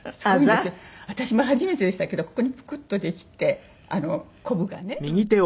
私も初めてでしたけどここにプクッとできてこぶがね。